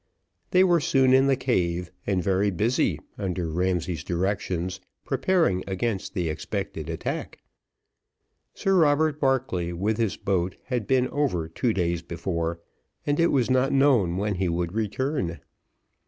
They were soon in the cave, and very busy, under Ramsay's directions, preparing against the expected attack. Sir Robert Barclay, with his boat, had been over two days before, and it was not known when he would return.